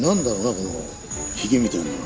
このヒゲみたいなのは。